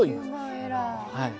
はい。